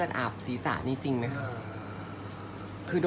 อันไหนที่มันไม่จริงแล้วอาจารย์อยากพูด